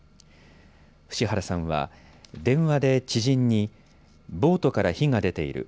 伏原さんは電話で知人にボートから火が出ている。